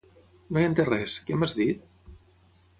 No he entès res; què m'has dit?